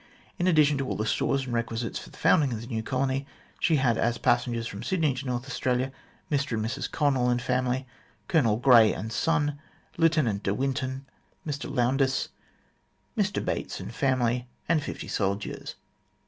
In addition to all the stores and requisites for the founding of the new colony, she had as passengers from Sydney to North Australia Mr and Mrs Connell and family, Colonel Grey and son, Lieutenant de Winton, Mr Loundys, Mr Bates and family, and fifty soldiers.